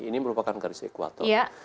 ini merupakan garis ekwator